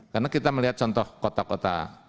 karena kita melihat contoh kota kota